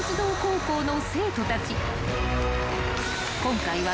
［今回は］